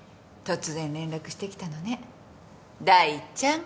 大ちゃん。